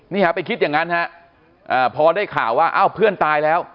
นี่ฮะไปคิดอย่างนั้นฮะพอได้ข่าวว่าอ้าวเพื่อนตายแล้ว